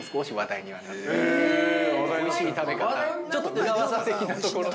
◆ちょっと裏技的なところが。